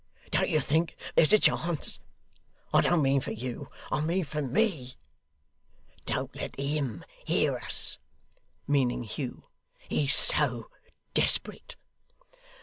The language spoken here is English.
Don't you think there's a chance? I don't mean for you, I mean for me. Don't let HIM hear us (meaning Hugh); 'he's so desperate.